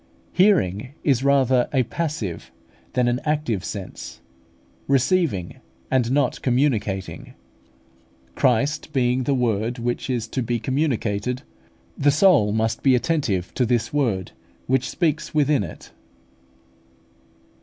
Hearing is rather a passive than an active sense, receiving, and not communicating. Christ being the Word which is to be communicated, the soul must be attentive to this Word which speaks within it.